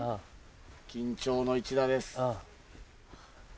緊張の一打です。